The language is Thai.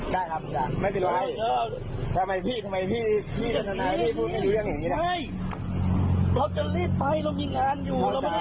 เดี๋ยวไม่ได้อยู่กันนักคืนเหรอเนี่ย